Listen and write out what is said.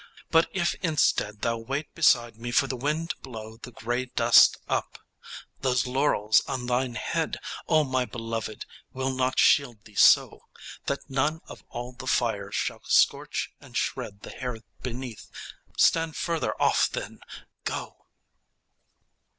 But if instead Thou wait beside me for the wind to blow The grey dust up, ... those laurels on thine head, O my Belovëd, will not shield thee so, That none of all the fires shall scorch and shred The hair beneath. Stand further off then! go!